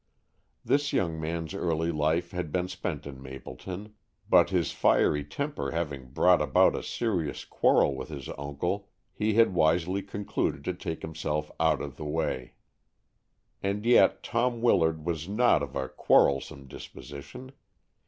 This young man's early life had been spent in Mapleton, but, his fiery temper having brought about a serious quarrel with his uncle, he had wisely concluded to take himself out of the way. And yet Tom Willard was not of a quarrelsome disposition.